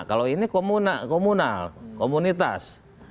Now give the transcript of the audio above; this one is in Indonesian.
kalau ini komunal komunitas